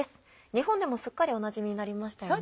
日本でもすっかりおなじみになりましたよね。